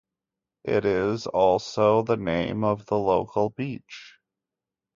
It is also the name of the local beach.